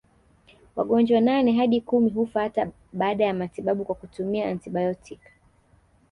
Wagonjwa nane hadi kumi hufa hata baada ya matibabu kwa kutumia antibiotiki